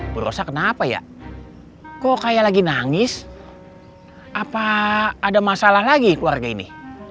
berusaha kenapa ya kok kayak lagi nangis apa ada masalah lagi keluarga ini